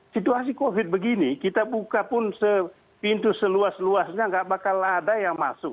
situasi covid begini kita buka pun pintu seluas luasnya nggak bakal ada yang masuk